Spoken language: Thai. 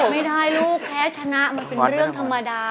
ไม่ได้ลูกแพ้ชนะมันเป็นเรื่องธรรมดา